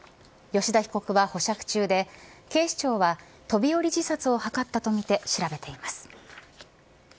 吉田被告は保釈中で警視庁は飛び降り自殺を図ったとみて調べています。